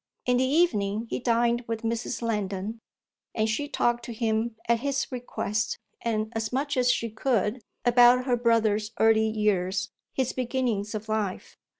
In the evening he dined with Mrs. Lendon, and she talked to him at his request and as much as she could about her brother's early years, his beginnings of life.